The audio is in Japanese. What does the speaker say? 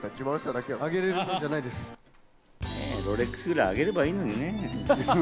ロレックスぐらい、あげればいいのにね。